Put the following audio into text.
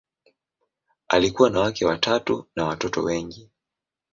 Alikuwa na wake watatu na watoto wengi.